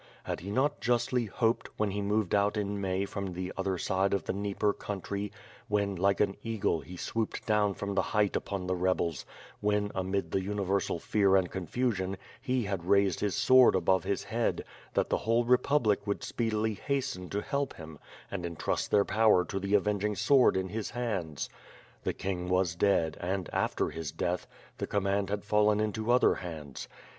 Had he not justly hoped, when he moved out in May from the other side of the Dnieper country, when, like an eagle, he swooped down from the height upon the rebels; when, amid the universal fear and confusion, he had raised his sword above his head, that the whole republic would speedily hasten to help him and entrust their power to the avenging sword in his hands. The king was dead and, after his death, the command had fallen into other hands.